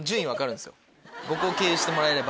僕を経由してもらえれば。